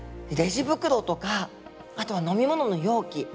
レジ袋とかあとは飲み物の容器